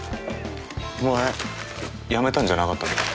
お前辞めたんじゃなかったのか？